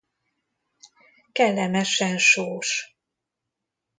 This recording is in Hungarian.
Kellemesen sós.